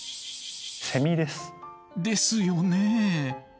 セミです。ですよね。